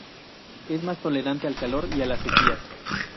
Es más tolerante al calor y las sequías.